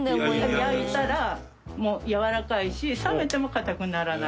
焼いたらやわらかいし冷めても硬くならない。